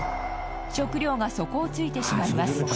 食糧が底をついてしまいます。